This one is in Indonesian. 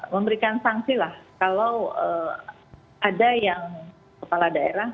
memberikan sanksi lah kalau ada yang kepala daerah